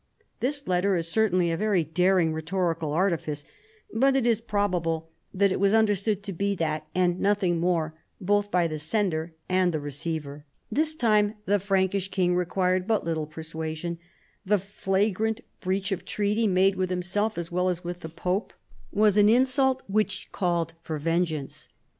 This letter is certainly a very daring rhetorical artifice, but it is probable that it was 100 CHARLEMAGNE. understood to be that and nothing more, both by the sender and the receiver. This time the Frankish king required but little ]iersuasion. The flagrant breach of the treaty made with himself, as well as with the pope, was an insult which called for vengeance.